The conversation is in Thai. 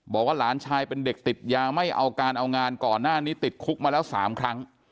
บอกว่าหลานชายเป็นเด็กติดยาไม่เอาการเอางานก่อนหน้านี้ติดคุกมาแล้ว๓ครั้ง